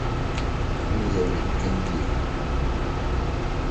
Ne ho yɛɛ me anika yiye